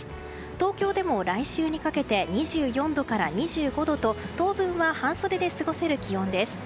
東京でも来週にかけて２４度から２５度と当分は、半袖で過ごせる気温です。